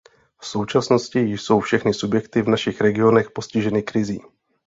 V současnosti jsou všechny subjekty v našich regionech postiženy krizí.